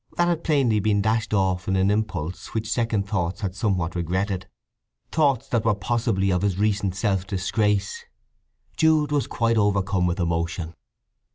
That had plainly been dashed off in an impulse which second thoughts had somewhat regretted; thoughts that were possibly of his recent self disgrace. Jude was quite overcome with emotion.